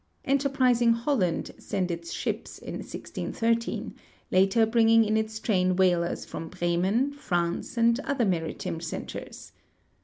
Enterprising Holland sent its ships in 1613, later bringing in its train whalers from Bremen, France, and other maritime centers.